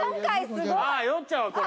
酔っちゃうわこれ。